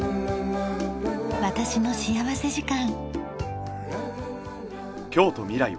『私の幸福時間』。